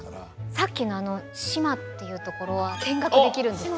さっきのあの志摩っていうところは見学できるんですよ。